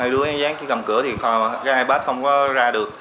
hai đứa em dán chứ cầm cửa thì cái ipad không có ra được